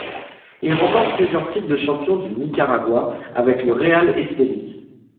Il remporte plusieurs titres de champion du Nicaragua avec le Real Estelí.